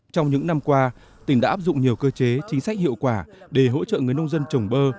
trong những năm qua tỉnh đã áp dụng nhiều cơ chế chính sách hiệu quả để hỗ trợ người nông dân trồng bơ